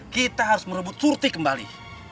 kita harus merebut turti kembali